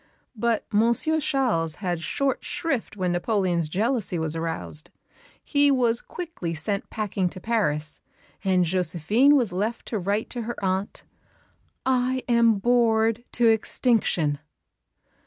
But Monsieur Charles had short shrift when Napoleon's jealousy was aroused. He was quickly sent packing to Paris; and Josephine was left to write to her aunt, "I am bored to extinction."